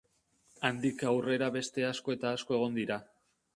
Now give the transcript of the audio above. Handik aurrera beste asko eta asko egon dira.